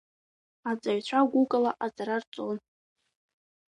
Аҵаҩцәа гәыкала аҵара рҵон.